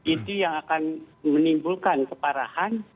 itu yang akan menimbulkan keparahan